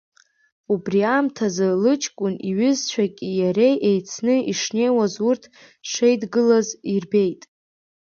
Убри аамҭазы лыҷкәын иҩызцәақәаки иареи еицны ишнеиуаз урҭ шеидгылаз ирбеит.